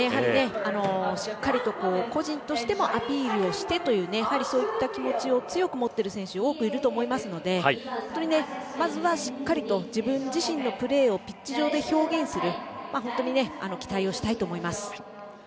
しっかりと個人としてもアピールしてというやはりそういった気持ちを強く持っている選手多くいると思いますので本当にね、まずはしっかりと自分自身のプレーをピッチ上で表現する本当に期待をしたいと思います。